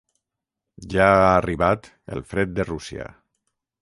Ja ha arribat el fred de Rússia.